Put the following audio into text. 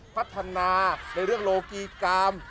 พัฒนาในเรื่องโลกีกรรม